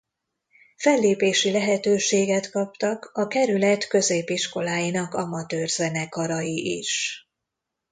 Fellépési lehetőséget kaptak a kerület középiskoláinak amatőr zenekarai is.